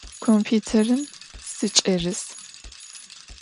Kompütêrım sıç'erıs.